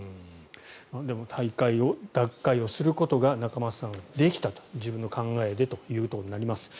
でも退会を脱会をすることが仲正さんはできたと自分の考えでということになります。